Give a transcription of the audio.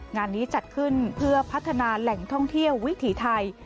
งานนี้จัดขึ้นเพื่อพัฒนาแหล่งท่องเที่ยววิถีไทย